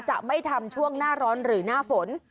จะไม่ทำช่วงหน้าร้อนหรือหน้าฝน